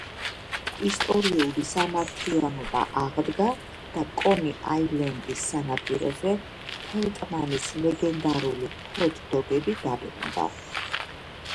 ისტორიული სამართლიანობა აღდგა და კონი აილენდის სანაპიროზე, ფელტმანის ლეგენდალური ჰოთ დოგები დაბრუნდა.